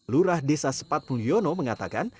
lurah desa sepat mulyono mengatakan